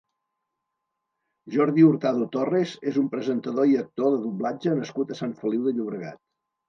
Jordi Hurtado Torres és un presentador i actor de doblatge nascut a Sant Feliu de Llobregat.